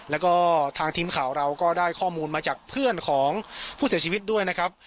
แล้วก็ทางทีมข่าวเราก็ได้ข้อมูลมาจากเพื่อนของผู้เสียชีวิตด้วยนะครับ